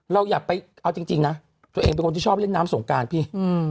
อย่าไปเอาจริงนะตัวเองเป็นคนที่ชอบเล่นน้ำสงการพี่